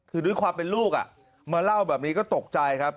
คือด้วยความเป็นลูกมาเล่าแบบนี้ก็ตกใจครับ